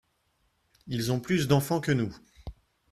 Ils ont plus d'enfants que nous.